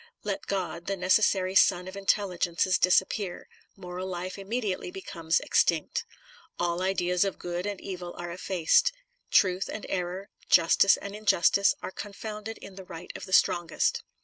Let God, the necessary sun of intelligences, disappear ; moral life immedi ately becomes extinct. All ideas of good and evil are effaced. Truth and error, justice and injustice, are confounded in the right of the strongest.